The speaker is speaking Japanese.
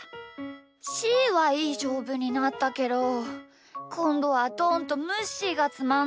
しーはいいしょうぶになったけどこんどはどんとむっしーがつまんなそうだな。